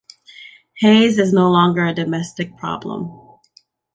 Haze is no longer a domestic problem.